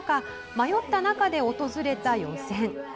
迷った中で、訪れた予選。